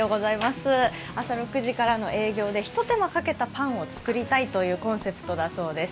朝６時からの営業でひと手間かけたパンを作りたいというコンセプトだそうです。